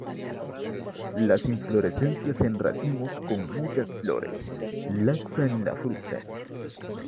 Las inflorescencias en racimos con muchas flores, laxa en la fruta.